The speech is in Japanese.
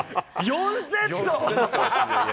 ４セット？